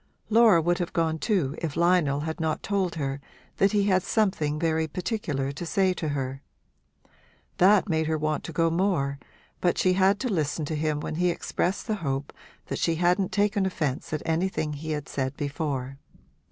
Laura would have gone too if Lionel had not told her that he had something very particular to say to her. That made her want to go more, but she had to listen to him when he expressed the hope that she hadn't taken offence at anything he had said before.